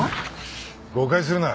誤解するな。